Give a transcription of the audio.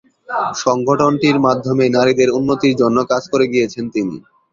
সংগঠনটির মাধ্যমে নারীদের উন্নতির জন্য কাজ করে গিয়েছেন তিনি।